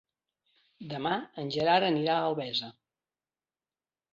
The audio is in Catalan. Demà en Gerard anirà a Albesa.